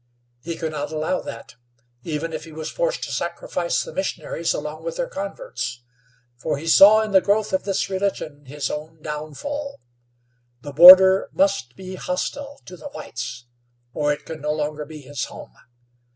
He could not allow that, even if he was forced to sacrifice the missionaries along with their converts, for he saw in the growth of this religion his own downfall. The border must be hostile to the whites, or it could no longer be his home.